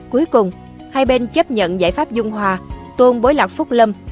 cuối cùng hai bên chấp nhận giải pháp dung hòa tôn bối lạc phúc lâm